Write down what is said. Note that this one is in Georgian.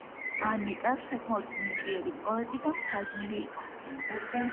ანეტა საკმაოდ ნიჭიერი პოეტი და მთარგმნელი იყო.